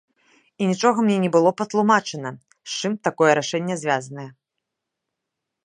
І нічога мне не было патлумачана, з чым такое рашэнне звязанае.